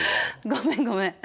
ごめんごめん。